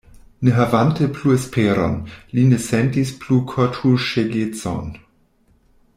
Ne havante plu esperon, li ne sentis plu kortuŝegecon.